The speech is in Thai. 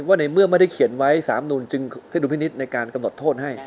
ว่าในเมื่อไม่ได้เขียนไว้สามนุนจึงขึ้นดุลพินิษฐ์ในการกำหนดโทษให้